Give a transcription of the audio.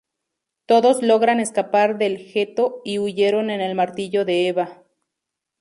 Todos logran escapar del ghetto y huyeron en el Martillo de Eva.